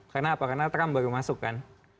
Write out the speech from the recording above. karena apa karena trump baru masuk kan